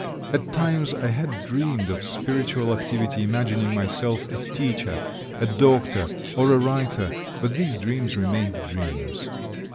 At times I had dreamed of spiritual activity, imagining myself a teacher, a doctor, or a writer, but these dreams remained dreams.